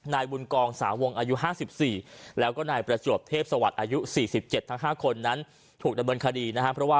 นายบุญกองสาวงอายุ๕๔แล้วก็นายประจวบเทพสวัสดิ์อายุ๔๗ทั้ง๕คนนั้นถูกดำเนินคดีนะครับ